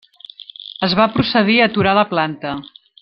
Es va procedir a aturar la planta.